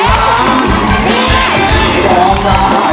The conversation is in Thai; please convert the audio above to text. ร้องได้ร้องได้